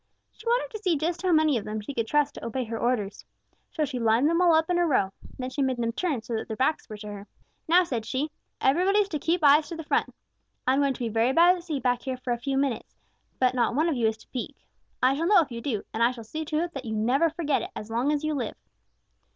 She wanted to see just how many of them she could trust to obey her orders. So she lined them all up in a row. Then she made them turn so that their backs were to her. "'Now,' said she, 'everybody is to keep eyes to the front. I am going to be very busy back here for a few minutes, but not one of you is to peek. I shall know if you do, and I shall see to it that you never forget it as long as you live.'